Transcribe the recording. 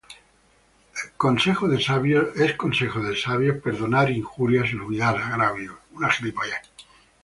Consejo es de sabios perdonar injurias y olvidar agravios.